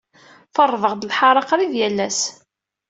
Ferrḍeɣ-d lḥaṛa qrib yal ass.